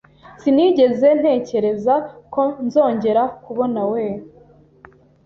Sinigeze ntekereza ko nzongera kubonawe .